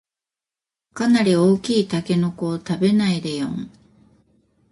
かなり大きいタケノコを食べないでよん